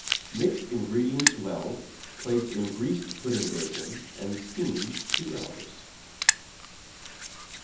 Mix ingredients well, place in greased pudding basin and steam 2 hours.